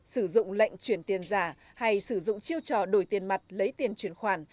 sử dụng lệnh chuyển tiền giả hay sử dụng chiêu trò đổi tiền mặt lấy tiền chuyển khoản